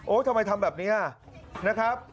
โอ้ยทำไมทำแบบนี้อ่ะนะครับ